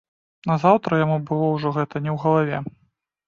Назаўтра яму было ўжо гэта не ў галаве.